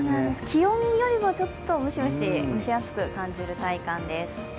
気温よりもムシムシ、蒸し暑く感じる体感です。